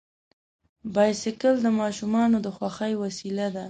بایسکل د ماشومانو د خوښۍ وسیله ده.